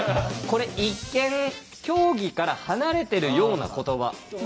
これ一見競技から離れてるような言葉。